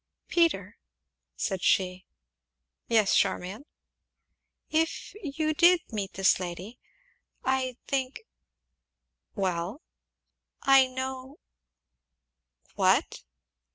"Peter," said she. "Yes, Charmian?" "If ever you did meet this lady I think " "Well?" "I know " "What?"